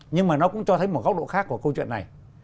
nhưng mà nó cũng cho thấy một góc độ khác của câu chuyện này